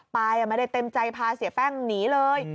ไม่ได้เต็มใจพาเสียแป้งหนีเลย